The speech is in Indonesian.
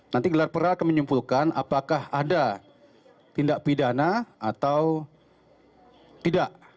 nanti gelar perkara akan menyimpulkan apakah ada tindak pidana atau tidak